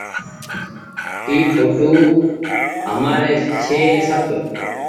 اي ڦوٽو همآري ڇي۔ سب ۔